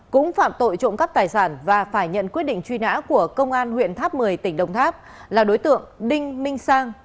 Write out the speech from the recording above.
cũng phạm tội trộm cắp tài sản và phải nhận quyết định truy nã của công an huyện tháp một mươi tỉnh đồng tháp là đối tượng đinh minh sang